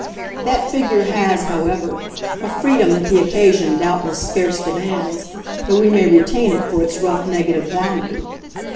That figure has, however, a freedom that the occasion doubtless scarce demands, though we may retain it for its rough negative value.